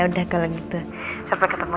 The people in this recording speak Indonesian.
sampai ketemu ya i love you